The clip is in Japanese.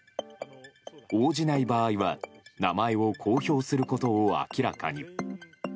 応じない場合は名前を公表することを明らかに。